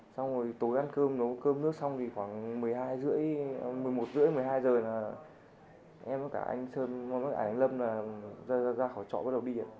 xong rồi tối ăn cơm nấu cơm nước xong thì khoảng một mươi một h ba mươi một mươi hai h là em và cả anh lâm ra khỏi trọ bắt đầu đi